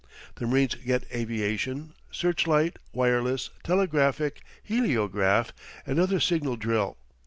The marines get aviation, search light, wireless, telegraphic, heliograph, and other signal drill.